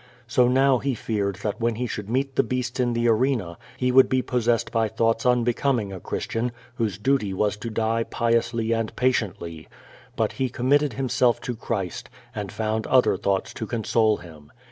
So now he feared that when he should meet the beasts in the arena, he would be possessed by thoughts un becoming a Christian, whose duty was to die piously and patiently. But he committed himself to Christ, and found other thoughts to console him.